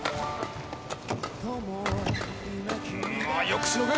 よくしのぐ。